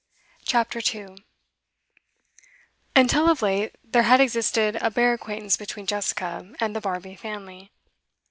CHAPTER 2 Until of late there had existed a bare acquaintance between Jessica and the Barmby family.